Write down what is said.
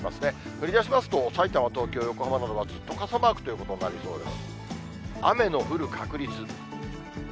降りだしますと、さいたま、東京、横浜などはずっと傘マークということになりそうです。